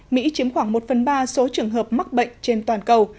mỹ chiếm khoảng một phần ba số trường hợp mắc bệnh trên toàn cầu